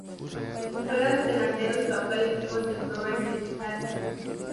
Juega de delantero y su actual equipo es el Pro Vercelli Calcio.